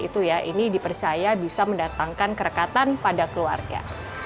ini dipercaya bisa mendatangkan kerekatan pada keluarga